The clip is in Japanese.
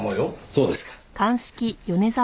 そうですか。